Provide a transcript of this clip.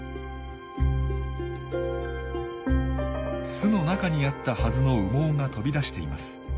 巣の中にあったはずの羽毛が飛び出しています。